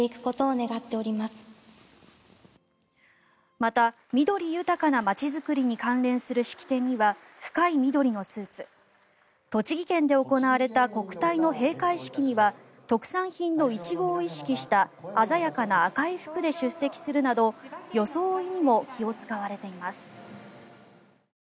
また、緑豊かな街づくりに関する式典には深い緑のスーツ栃木県で行われた国体の閉会式には特産品のイチゴを意識した鮮やかな赤い服で出席するなど装いにも気を使われています。